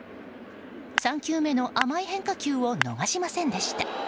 ３球目の甘い変化球を逃しませんでした。